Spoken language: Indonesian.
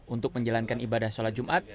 untuk menjalankan ibadah sholat jumat